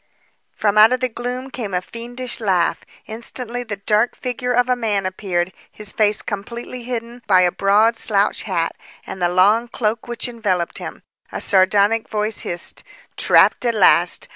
From out of the gloom came a fiendish laugh. Instantly, the dark figure of a man appeared, his face completely hidden by a broad slouch hat and the long cloak which enveloped him. A sardonic voice hissed, "Trapped at last!